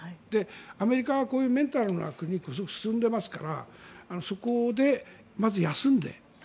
アメリカはこういうメンタルなところこそ進んでいますからそこで、まず休んで。